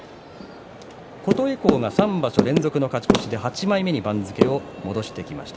琴恵光は３場所連続の勝ち越しで８枚目に番付を戻してきました。